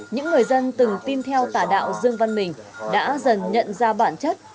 những người dân từng tin theo tà đạo dương văn mình đã dần nhận ra bản chất